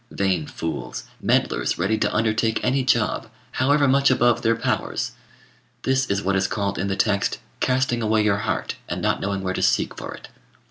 Vain fools! meddlers ready to undertake any job, however much above their powers! This is what is called in the text, "casting away your heart, and not knowing where to seek for it."